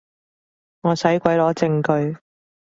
我使鬼攞證據